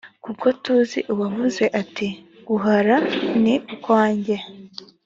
kuko tuzi uwavuze ati guh ra ni ukwanjye